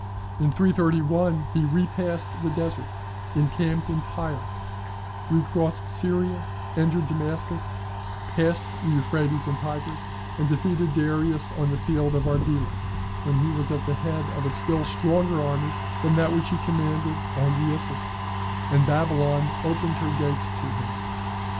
"In 331, he repassed the Desert, encamped in Tyre, recrossed Syria, entered Damascus, passed the Euphrates and Tigris, and defeated Darius on the field of Arbela, when he was at the head of a still stronger army than that which he commanded on the Issus, and Babylon opened her gates to him.